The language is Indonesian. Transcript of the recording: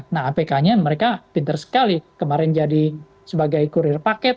nah apk nya mereka pinter sekali kemarin jadi sebagai kurir paket